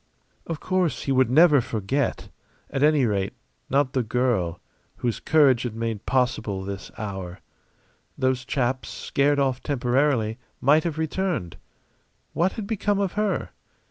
Of course he would never forget at any rate, not the girl whose courage had made possible this hour. Those chaps, scared off temporarily, might have returned. What had become of her?